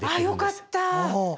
よかった。